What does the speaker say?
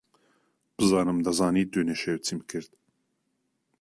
بزانم دەزانیت دوێنێ شەو چیم کرد.